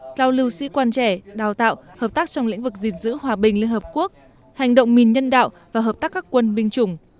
giao lưu sĩ quan trẻ đào tạo hợp tác trong lĩnh vực gìn giữ hòa bình liên hợp quốc hành động mình nhân đạo và hợp tác các quân binh chủng